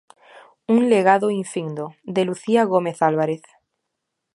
Un legado infindo, de Lucía Gómez Álvarez.